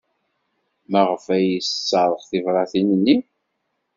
Maɣef ay yesserɣ tibṛatin-nni?